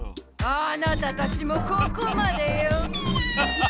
あなたたちもここまでよ。ペラ！